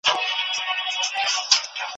استاد باید شاګرد ته د کار اجازه ورکړي.